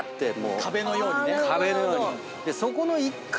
壁のようにね。